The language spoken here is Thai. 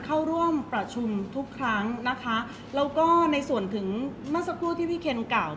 เพราะว่าสิ่งเหล่านี้มันเป็นสิ่งที่ไม่มีพยาน